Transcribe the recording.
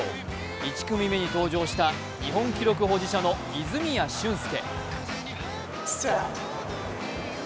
１組目に登場した日本記録保持者の泉谷駿介。